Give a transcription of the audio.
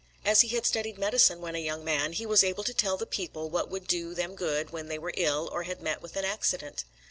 As he had studied medicine when a young man, he was able to tell the people what would do them good when they were ill or had met with an accident.